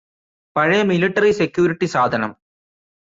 പഴയ military security സാധനം